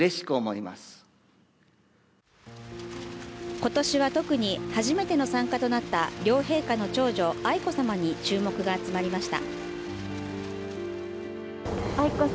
今年は特に、初めての参加となった両陛下の長女、愛子さまに注目が集まりました。